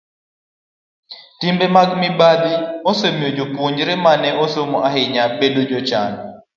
Timbe mag mibadhi osemiyo jopuonjre ma ne osomo ahinya bedo jochan.